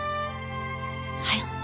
はい。